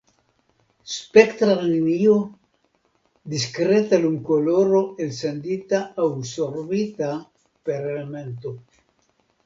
Spektra Linio: Diskreta lumkoloro elsendita aŭ sorbita per elemento.